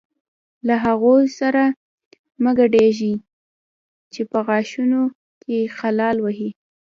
له هغو سره مه ګډېږئ چې په غاښونو کې خلال وهي.